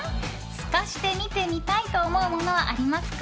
透かして見てみたいと思うものはありますか？